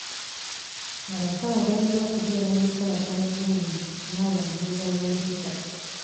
Abasawo balina okubeera n'enkolagana ennungi n'abantu be baweereza.